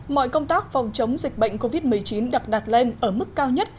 mọi công tác phòng chống dịch bệnh covid một mươi chín đặt lên ở mức cao nhất